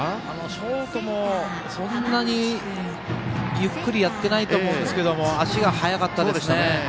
ショートもそんなにゆっくりやっていないと思いますが足が速かったですね。